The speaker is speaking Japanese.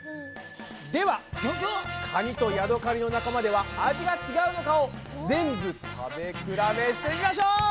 ではカニとヤドカリの仲間では味が違うのかを全部食べ比べしてみましょう！